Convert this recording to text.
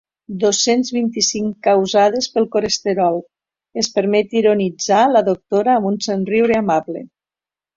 Dos-cents vint-i-cinc causades pel colesterol, es permet ironitzar la doctora amb un somriure amable.